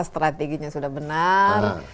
strateginya sudah benar